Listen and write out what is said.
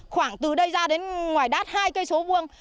khoảng từ đây ra đến ngoài đát hai km vuông